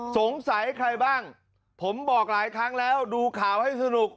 สงสัยใครบ้างผมบอกหลายครั้งแล้วดูข่าวให้สนุก